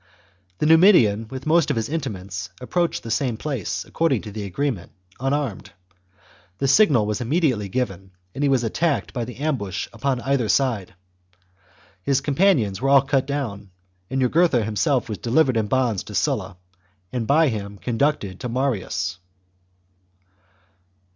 The Nu midian, with most of his intimates, approached the same place, according to the agreement, unarmed. The signal was immediately given, and he was attacked by the ambush upon every side. His companions were all cut down ; Jugurtha him.self was delivered in bonds to Sulla, and by him conducted to Marius.